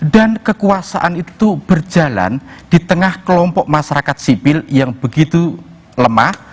dan kekuasaan itu berjalan di tengah kelompok masyarakat sipil yang begitu lemah